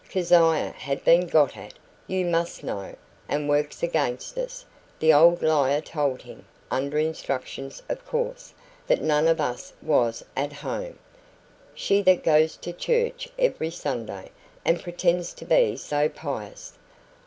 Keziah had been got at, you must know, and works against us; the old liar told him (under instructions, of course) that none of us was at home! she that goes to church every Sunday, and pretends to be so pious.